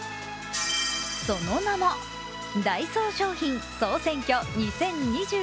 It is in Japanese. その名も、ダイソー商品総選挙２０２２。